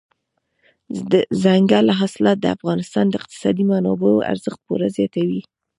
دځنګل حاصلات د افغانستان د اقتصادي منابعو ارزښت پوره زیاتوي.